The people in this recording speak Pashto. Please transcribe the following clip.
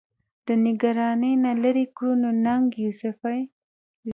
د نګرانۍ نه لرې کړو، نو ننګ يوسفزۍ